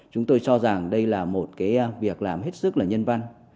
chúng tôi cho rằng đây là một cái việc làm hết sức là nhân văn